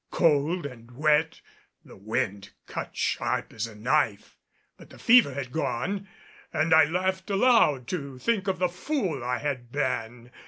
Cold and wet, the wind cut sharp as a knife, but the fever had gone, and I laughed aloud to think of the fool I had been.